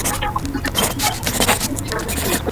په لاس لیکلنه د چټک ژوند په منځ کي د ارامتیا شیبه ده.